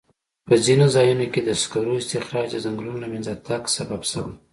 په ځینو ځایونو کې د سکرو استخراج د ځنګلونو له منځه تګ سبب شوی.